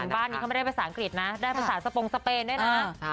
บ้านนี้เขาไม่ได้ภาษาอังกฤษนะได้ภาษาสปงสเปนด้วยนะ